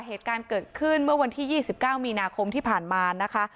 เหตุการณ์เกิดขึ้นเมื่อวันที่๒๙มีนาคมที่ผ่านมานะคะ